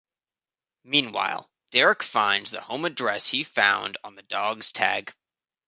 Meanwhile, Derek finds the home address he found on the dog's tag.